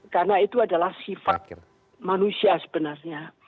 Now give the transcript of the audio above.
karena itu adalah sifat manusia sebenarnya